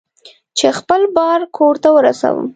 چې خپل بار کور ته ورسوم.